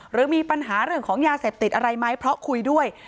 หรือมีปัญหาเรื่องของยาเสพติดอะไรไหมเพราะคุยด้วย